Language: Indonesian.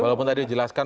walaupun tadi dijelaskan